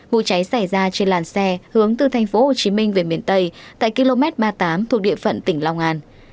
vụ cháy xảy ra trên làn xe hướng từ tp hcm về miền tây tại km ba mươi tám thuộc địa phận tỉnh long an